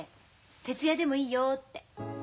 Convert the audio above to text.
徹夜でもいいよって。